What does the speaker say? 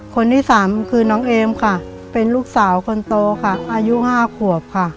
คนที่สามคือน้องเอมค่ะเป็นลูกสาวคนโตค่ะอายุ๕ขวบค่ะ